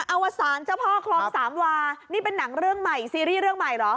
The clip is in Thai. อวสารเจ้าพ่อคลองสามวานี่เป็นหนังเรื่องใหม่ซีรีส์เรื่องใหม่เหรอ